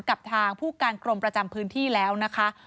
กับทางผู้การกรมประจำพื้นที่แล้วนะคะ